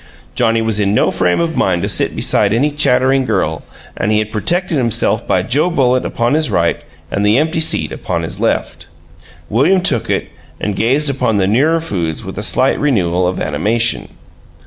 Johnnie was in no frame of mind to sit beside any "chattering girl," and he had protected himself by Joe Bullitt upon his right and the empty seat upon his left. William took it, and gazed upon the nearer foods with a slight renewal of animation.